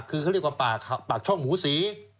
คือเขาเรียกว่าปากช่องหมูสี